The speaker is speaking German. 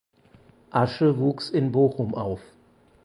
Asche wuchs in Bochum auf.